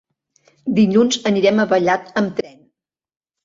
Dilluns anirem a Vallat amb tren.